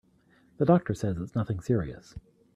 The doctor says it's nothing serious.